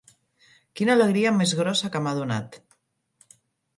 Quina alegria més grossa que m'ha donat!